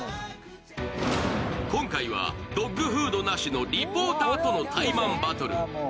今回はドッグフードなしのリポーターとのタイマンバトル。